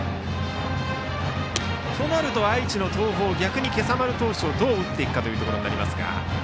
となると、愛知の東邦は逆に今朝丸投手をどう打っていくかというところになりますが。